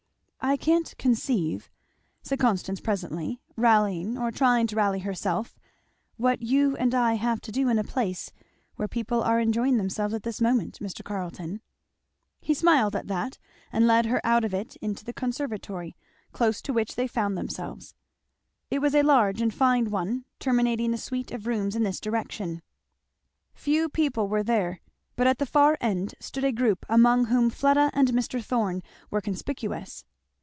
"I can't conceive," said Constance presently, rallying or trying to rally herself, "what you and I have to do in a place where people are enjoying themselves at this moment, Mr. Carleton!" He smiled at that and led her out of it into the conservatory, close to which they found themselves. It was a large and fine one, terminating the suite of rooms in this direction. Few people were there; but at the far end stood a group among whom Fleda and Mr. Thorn were conspicuous.